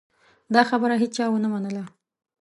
دا خبره هېچا ونه منله.